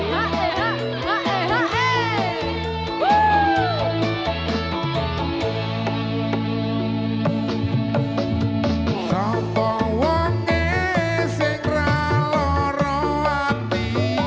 sampai waktunya segera lari hati